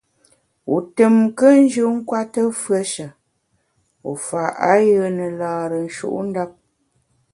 Wu tùm nkùnjù nkwete fùeshe wu fa ayùe ne lâre nshutndap.